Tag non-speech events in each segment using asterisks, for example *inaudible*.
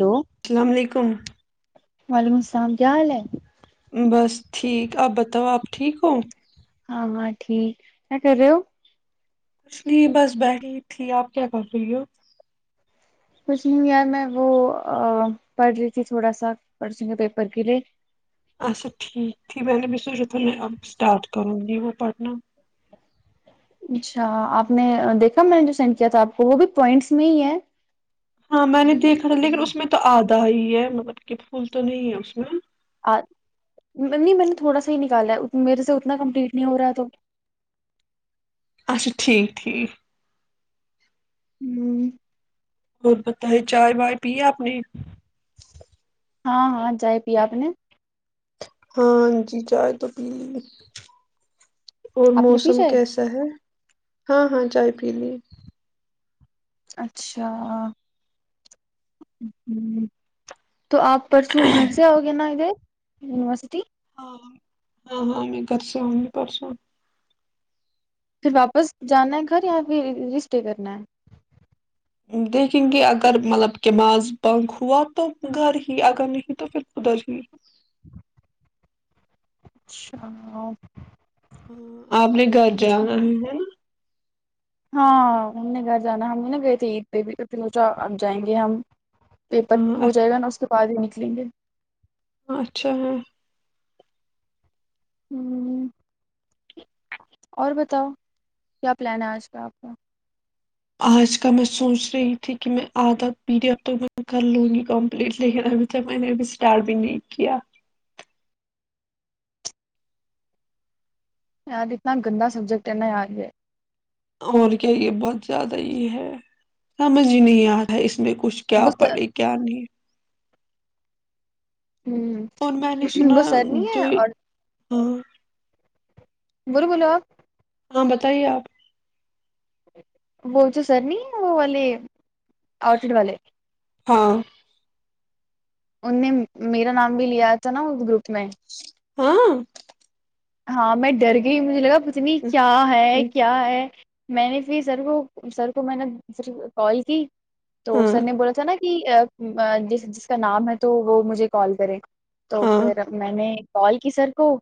Hello السلام علیکم وعلیکم السلام کیا حال ہے بس ٹھیک آپ بتاؤ آپ ٹھیک ہو ہاں ہاں ٹھیک کیا کر رہے ہو کچھ نہیں بس بیٹ رہ تھی آپ کیا کر رہی ہو؟ کچھ نہیں یار میں وہ پڑھ رہی تھی تھوڑا سا پڑھ سے پیپر کے لیے اچھا ٹھیک ت میں نے س تھا اسٹارٹ کروں وہ پنم اچھا آپ نے دیکھا میں نے جو سینڈ کیا تھا آپ کو وہ بھی پوائنٹس میں ہی ہے ہاں میں نے دیکھا تھا لیکن اس میں تو آد دی ہے مطلب کہ پھول تو نہیں ہے اس میں *unintelligible* نہیں میں نے تھوڑا سا ہی نکالا میرے سے اتنا کمپلیٹ نہیں ہو رہا ہے تو اچھا ٹھیک ٹھیک ہوں *unintelligible* اورت بت ہے چائے وائے پی ہے آپ نے ہاں ہاں جائے پ اپ نے ہاں جی چائے تو پی لی گ اور آپ نے پی موسم چائے کیسا ہے ہاں ہاں چائے پی لی اچھا ہوں *unintelligible* تو آپ پرسوں گھر سے آؤ نے ینیورسٹی اں ہاں ہاں میں گھر سے آؤی پرسوں پھر واپس جانا ہے گھر یا پھر رجی اسٹے کرنا ہے دیکھیں گے اگر مطلب کہمذ بنک ہوا تو گھر ہی اگر نہیں تو پھر خدر ہی اچھا *unintelligible* ہاں آپ نے گھر جانا اچھا ہے نا ہاں ہم نے گھر جانا ہم بھی نا گئے تھے عید پہ بھی تو پھروچا اب جائیں گے ہم پیپر ہاں ہو جائے گا نا اس کے *unintelligible* پازے نکلیں گے *unintelligible* اچھا ہے ہوں *unintelligible* اور بتاؤ کیا پلان ہے آج کا آپ کا آج کا میں سوچ رہی تھی کہ میں آدھا پیریڈ تو میں کر لوں گی کمپلیٹ لیکن ابھی تک میں نے ابھی اسٹارٹ بھی نہیں کیا یار اتنا گندا سبجیکٹ ہے نا یاار ہے اور کیا یہ بہت زیادہ یہ ہے سمجھ ہی نہیں آ رہا ہے اس اس میں کچھ کیا وہ سر پڑے کیا نہیں اور میں نے ہ وہ سنا سر نہیں ہے جو اور ہاں *unintelligible* گول بولو ہاں بتائیے آپ وہچو سر نہیں وہ والے آرچڈ والے ہاں ان نے میرا نام بھی لیا تھا نا وہ گروپ میں ہاں ہاں میں ڈر گئی ہ مجھے لگا کھ نہیں کیا ہے کیا ہے میں نے پھر سر کو سر کو میں نےپھر کال کی تو ہاں سر نے بولا تھا نا جس جس کا نام ہے تو وہ مجھے کال کرے تو ہاں پھر میں نے کال کی سر کو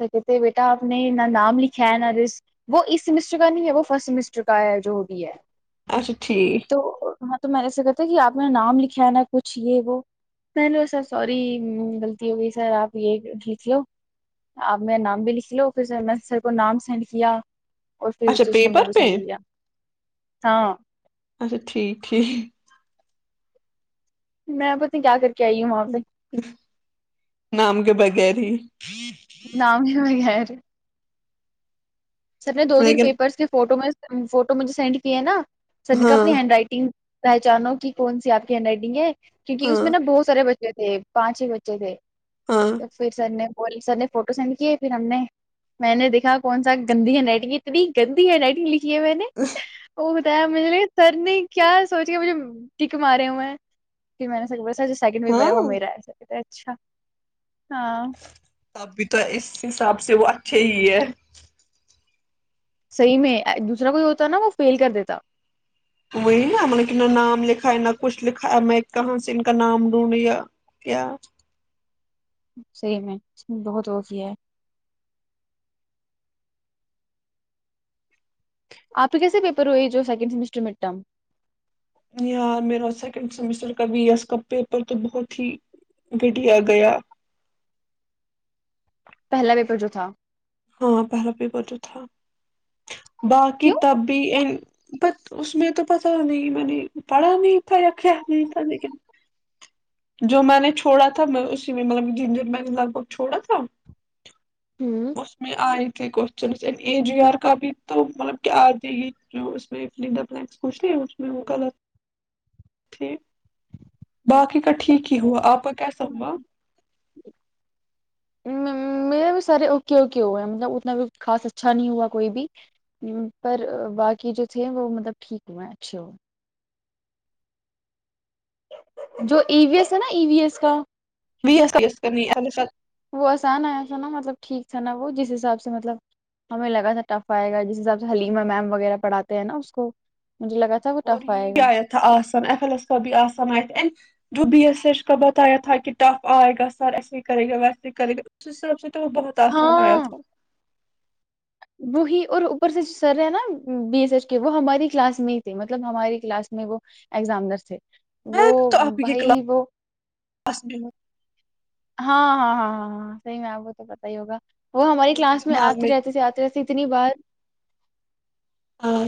س کہتے بیٹا آپ نے نہ نام لکھا ہے نہ لسٹ وہ اس سمسٹر کا نہیں ہے وہ فسٹ سمسٹر کا ہے جو بھی ہے اچھا ٹھیک تو ہاں تو میرے سے کہتے کہ آپ نے نام لکھا ہے نا کچھ یہ وہ پہلے سر سوری غلطی ہو گئی سر آپ یہ لکھ لو آپ میں نام بھی لکھ لو پھر میں نے سر کو نام سینڈ کیا اور پھر اچھا رجسٹریشن پیپر نمبر بھی پہ سینڈ کیا ہاں اچھا ٹھیک ٹھیک میں پتا کیا کرتی نام کے بغیر ت *unintelligible* *unintelligible* *inaudible* سب نے دو دن لیکن پیپرس کے فوٹو میں فوٹو مجھے سینڈ کیے نا سر نے کہا ہاں اپنی ہینڈ رائٹنگ پہچانو کی کون سی آپ ہنڈ رائیٹنگ ہے کیوں کہ اس ہاں میں نا بہت سارے بچے بچ تھ پانچ ہی بچے تھ ہاں تو پھر سر نے پلی سر نے فوٹو سینڈ کیے پھر ہم نے میں نے دیکھا کون سا گندی ہنڈ رائیٹنگ اتنی گندی ہنڈ رائیٹنگ ل جی میں نے وہ *unintelligible* سر نے کیا سوچیا مجھے ت کماارے ہ ہو میں کہ میں نے س بس سر سیکنڈ و ہاں بر میں میرا ہےس اچھا ہاں اب بھی تو اس حساب سے سب سے وہ اچھے ہی ہے صحیح میں دوسرا کوئی ہوتا ہے نا تو وہ فیل کر دیتا وہی نہ نام لکھا ہے نہ کچھ لکھا ہے میں کہاں سے ان کا نام ڈھونڈ لیا کیا سحی میں ہے بہت ہوف ہے آپ کے کیسے پیپر ہوئے جو سیکنڈ سیمسٹر مڈ ٹرم یار میرا سیکنڈ سیمسٹر کا بی ایس کا پیپر تو بہت ہی گٹیا گیا پہلا پیپر جو تھا ہاں پہلا بھی ب تو تھا باقی کیوں طب بھیی انین ب اس میں تو پتا نہیں میں نے پڑھا نہیں تھا یا کیا نہیں تھا لیکن جو میں نے چھوڑا تھا میں اسی میں مطلب جن دن میں نے لگ بھگ چھوڑا تھا ہوں اس میں آئے ن جی آر کا بھی تو مطلب کیا آ جے گی جو اس فوچھ اس وہ غلط ٹھیک باقی کا ٹھیک ہی ہوا آپ پک سب میں بھی سارے اوکے اوکے ہوئے ہیں مطلب اتنا خاص اچھا نہیں ہوا کوئی بھی پر واقعی جو تھے وہ مطلب ٹھیک ہوئے ہیں اچھا جو ایویس ہے نا ای وی ایس کا و ای کرنی *unintelligible* وہ اسان ایا تھا نا مطلب ٹھیک تھا نا وہ جس حساب سے مطلب ہمیں لگا سٹف ائے گا کا، حلیم میم وغیرہ پڑھاتے ہیں نا *unintelligible* تھا وہ اور ٹف یہ آئے کیا گا ایا تھا لس کا بھی اسانی وہ بھی ایس ایچ کا بتایا تھا کہ ٹف ائے گا سر ایسے کرے گا ویسے کرے گا جس طرح سے بہت اسان ایا ہاں تھا وہی اور اوپر سے سر ہے نا بی ایس ایچ کے وہ ہماری کلاس میں ہی تھی مطلب ہماری کلاس میں وہ ایگزامنر تھے وہ میں بھی تو آپ کی بھائی وہ *unintelligible* ہاں ہاں ہاں ہاں ہاں صحی میں آپ تو پتا ہی ہوگا وہ ہماری مجھے کلاس میں دماغ آتی رہتی ت آتی رہتی اتنی بار ہاں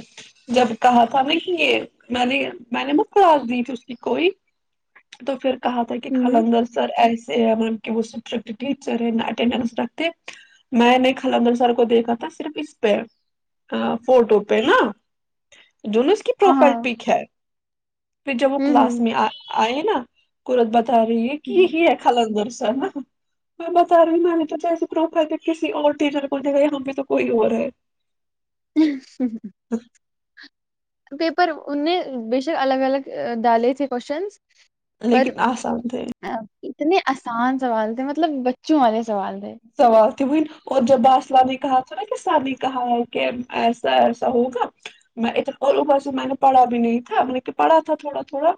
جب کہا تھا ہم نے کہ یہ میں نے میں نے متلاس دی تھی اس کی کوئی تو پھر کہا تھا کہ ہوں خلندر سر ایس وہ سٹر ٹیچر ہے اٹڈنس رکھتے میں نےل سر کو دیکھا تھا صرف اس پہ فوٹو پہ نا جونوس کی پروفائل ہاں پک ہے پھر جب وہ ہوں کلاس میں ہوں آئے نا قورت باد سر یہ کی ہی ہے خالنددر ا میں بتا رہی ہ میں نے تو چس کرا ہ کسی اور چٹیزر بول د یہاں بھی تو کوئی اور ہے *unintelligible* پیپر بے شک الگ الگ ڈالے تھے کوسچن لیکن لیکن اسان تھے اتنے آسان سوال تھے مطلب بچوں والے سوال تھے سوال ت وہ اور جب باسلہ نے کہا تھا تھڑا کس نے کہا ہے کہ ایسا ایسا ہوگا میں اھر اور اوبر سے میں نے پڑھا بھی نہیں تھا میں نے کہ پڑھا تھا تھوڑا تھوڑا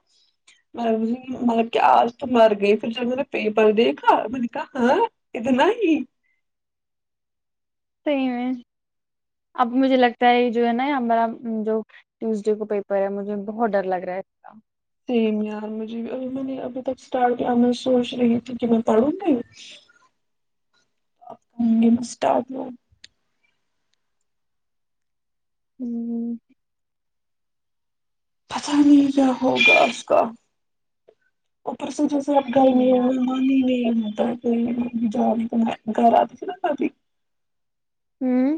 مطلب کہ آج تو مر گئی پھر جب میں نے پیپر دیکھا میں نے کہا ہاں اتنا ہی ج صحی میں اب مجھے لگتا ہے جو ہے نا ہمارا جو ٹیوزڈے کو پیپر ہے مجھے بہت ڈر لگ رہا ہے کا سیم یار مجھے ابھی میں نے ابھی تک اسٹارٹ کیا میں سوچ رہی تھی کہ میں پڑھوں گی گی میں اسٹارٹوں ہوں پتاہ نہیں کیا ہوگا اس کا اپر سے جس سب گائے میں صحیح یار مہمانی میں ا کوئی م جا نہیں تو میں گھر آتی س نا گتی ہوں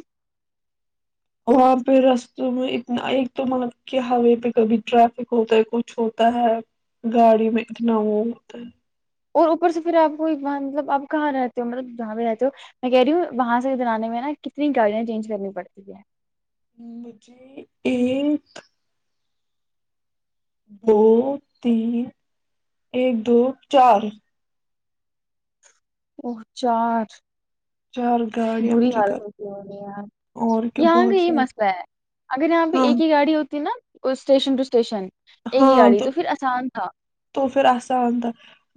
وہاں پہ رستوں میں اتنا ایک تو مطلب کہ ہوے پہ کبھی ٹریافک ہوتا ہے کچھ ہوتا ہے گاڑی میں اتنا وہ ہوتا ہے اور اوپر سے پھر آپ کواں مطلب آپ کہاں رہتے ہو مطلب جہاں پہ رہتے ہو میں کہہ رہی ہوں وہاں سے ادھر آانے میں نا کتنی گاڑیاں چینج کرنی پڑتی ہے مجھے ایک دو تین ایک دو چار اور چار چار گاڑیاں بری مجھے کر حالت ہوتی ہوی اور کیا یہاں کا بہت یہ ساری مسئلہ ہے اگر یہاں پہ ہاں ایک ہی گاڑی ہوتی نا اسٹیشن ٹو اسٹیشن ایک ہی ہاں گاڑی تو پھر آسان تھا تو پھر آان تو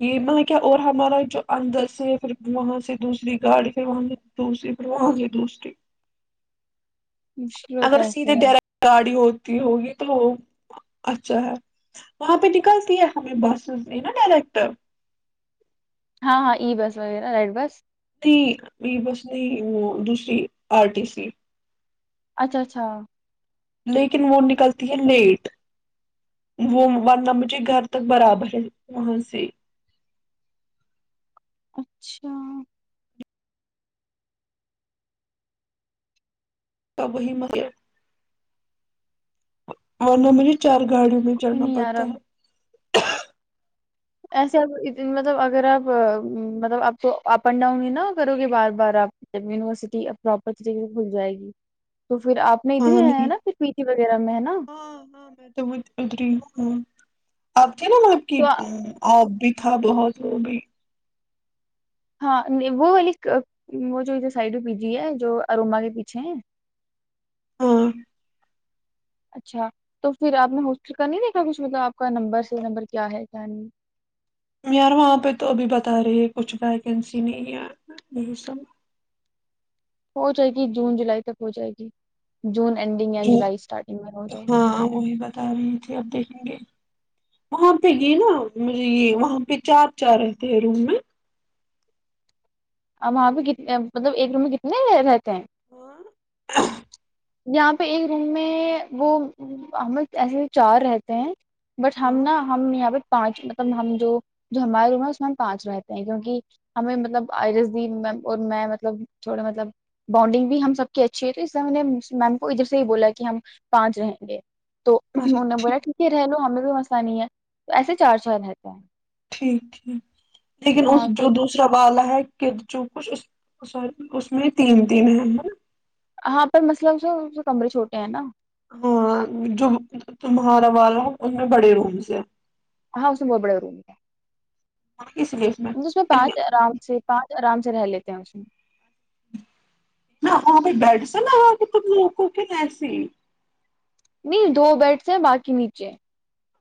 یہ مطلب کیا اور ہمارا جو اندر سے پھر وہاں سے دوسری گاڑی پھر وہاں سے دوسری پھر وہاں سے دوسری مشکل ہوتا اگر ہے ایسے سیدھے یار ڈر گاڑی ہوتی ہوگی تو اچھا ہے وہاں پہ نکلتی ہے ہمیں بسز نا ڈائریکٹ ہاں ہاں ای بس وغیرہ ریڈ بس نہیں بس نہیں وہ دوسری آر ٹی سی اچھا اچھا لیکن وہ نکلتی ہے لیٹ وہ ورنہ مجھے گھر تک برابر ہے وہاں سے اچھا ت وہی متب اورن مٹ چار گاڑیوں میں کوئی چلنا نہیں یار پڑتا اب ہے *inaudible* ایسے ا مطلب اگر آپ مطلب آپ کو اپ اینڈ ڈاؤن ہی نہ کرو گے بار بار آپ جب یونیورسٹی پراپر طریقے سے کھل جائے گی تو پھر آپ نہیں تو نہیں آیا ہے نا پھر پیٹی وغیرہ میں ہے نا ہاں اب ج ن آپ کی تو آ- آ تھا بہت وہ بھی ہاں وہ وال وہ جو ادھر سائڈ پی جی ہے جو اروما کے پیچھے ہیں ہاں اچھا تو پھر آپ نے ہوسٹل کر نہیں دیکھا کچھ مطلب آپ کا نمبر سے نمبر کیا ہے کیا نہیں یار وہاں پہ تو ابھی بتا رہی ہے کچھ ویکنسی نہیں یار یہی سب ہو جائے گی جون جولائی تک ہو جائے گی جون اینڈنگ یا جو جولائی اسٹارٹنگ میں ہو جائے گی ہاں وہی بتا رہی تھی اب دیکھیں گے وہاں پہ یہ نا مجھے یہ وہاں پہ چار چار رہتے ہیں روم میں اور وہاں پہ کتنے مطلب ایک روم میں کتنے رہتے ہیں ہاں یہاں پہ ایک روم میں وہ ہم ایسے چار رہتے ہیں بٹ ہم ہاں نا ہم یہاں پہ پانچ مطلب ہم جو ہمارا روم ہے اس میں ہم پانچ رہتے ہیں کیونکہ ہمیں مطلب آئرس دی میم اور میں مطلب تھوڑا مطلب بانڈنگ بھی ہم سب کی اچھی ہے تو اس طح ہم نے میم کو ادھر سے یہ بولا کہ ہم پانچ رہیں گے تو انوں نے بولا ٹھیک ہے رہ لو ہمیں بھی مسانی ہے تو ایسے چار سال رہتے ہیں ٹھیک ٹھیک لیکن اس ہاں پھر جو دوسرا والا ہے کہ جو کچھ سور اس میں تین تین ہےا ہاں پر مسلب کمرے چھوٹے ہیں نا ہاں جو تمہارا والا ہو ان میں بڑے رومس ہیں ہاں اس میں بہت بڑے روم ہے ہاں *unintelligible* اس میں پانچ ررام سے پانچ آرام سے رہ لیتے ہیں اس میں نہ ہ میں بیٹھ س نہ ہو کہ تم موکو کہن ایسی نہیں دو بیڈس ہیں باقی نیچے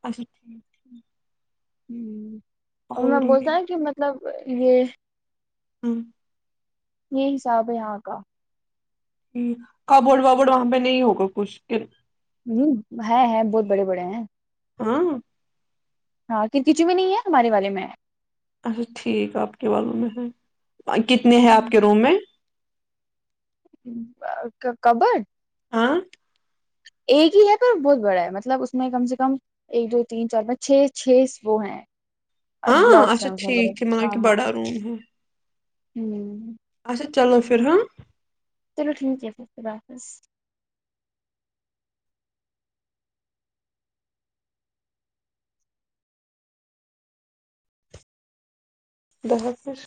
اچھا ٹھیک *unintelligible* ہوں *unintelligible* اور میں بولتا ہے کہ مطلب یہ *unintelligible* ہوں *unintelligible* یہ حساب ہے یہاں کا ج کبوڈ وابورڈ وہاں پہ نہیں ہوگا کچھ ہ ہے ہے بہت بڑے بڑے ہیں ہاں ہاں ک کچی میں نہیں ہے ہمارے والے میں اچھا ٹھیک آپ کے وال والوں میں ہے کتنے ہیں آپ کے روم میں کبڈ ہاںں ایک ہی ہے پر بہت بڑا ہے مطلب اس میں کم سے کم ایک دو تین چار چھ چھ وہ ہیں ہاں بلاکس ہیں اچھا اس میں ٹھیک بڑے ہے مطلب ہاں کہ ہاں بڑا روم ہے ہوں *unintelligible* اچھا چلو پھر ہ چلو ٹھیک ہے پھر خدا حافظ ب حافھر